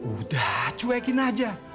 udah cuekin aja